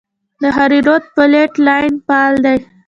د هریرود فالټ لاین فعال دی